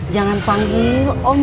jangan panggil om